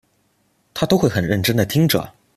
她都会很认真地听着